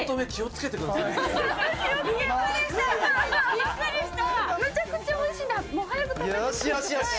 びっくりした！